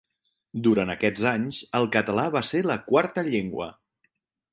Durant aquests anys el català va ser la quarta llengua.